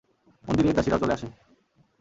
মন্দিরের দাসীরাও চলে আসে।